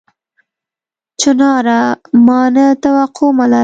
چناره! ما نه توقع مه لره